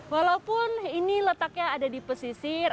walaupun ini letaknya ada di pesisir